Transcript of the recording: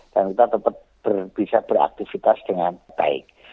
dan kita tetap bisa beraktifitas dengan baik